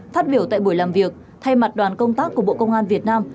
phát biểu tại buổi làm việc thay mặt đoàn công tác của bộ công an việt nam